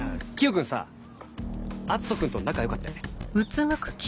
君さ篤斗君と仲良かったよね？